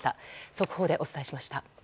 速報でお伝えしました。